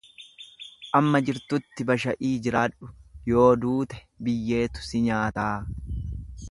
Amma jirtutti basha'ii jiraadhu yoo duute biyyeetu si nyaataa.